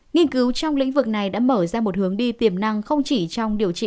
nghiên cứu trong lĩnh vực này đã mở ra một hướng đi tiềm năng không chỉ trong điều trị